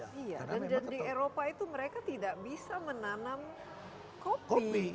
dan di eropa itu mereka tidak bisa menanam kopi